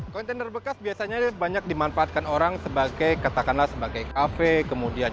kontainer bekas biasanya banyak dimanfaatkan orang sebagai katakanlah sebagai kafe kemudian